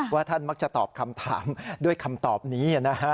ว่าท่านมักจะตอบคำถามด้วยคำตอบนี้นะฮะ